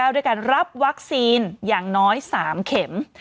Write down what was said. ด้วยการรับวัคซีนอย่างน้อย๓เข็ม